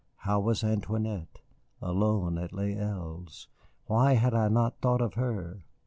How about Antoinette, alone at Les Îles? Why had I not thought of her?